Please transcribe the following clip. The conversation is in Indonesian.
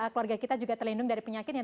keluarga kita juga terlindung dari penyakit yang